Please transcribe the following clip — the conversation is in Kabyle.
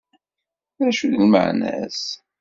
D acu d lmeεna-s?